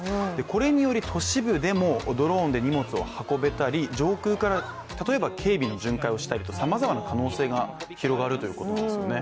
これにより都市部でもドローンで荷物を運べたり上空から例えば警備の巡回をしたりさまざまな可能性が広がるということですよね。